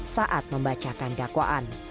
saat membacakan dakwaan